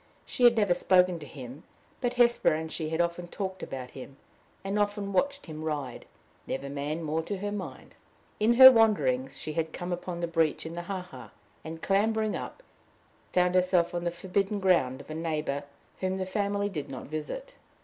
She had never spoken to him, but Hesper and she had often talked about him, and often watched him ride never man more to her mind. In her wanderings she had come upon the breach in the ha ha, and, clambering up, found herself on the forbidden ground of a neighbor whom the family did not visit.